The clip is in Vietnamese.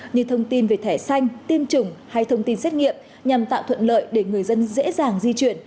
như thông tin về thẻ xanh tiêm chủng hay thông tin xét nghiệm nhằm tạo thuận lợi để người dân dễ dàng di chuyển